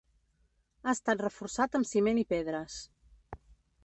Ha estat reforçat amb ciment i pedres.